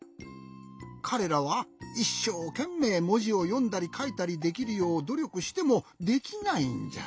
かれらはいっしょうけんめいもじをよんだりかいたりできるようどりょくしてもできないんじゃ。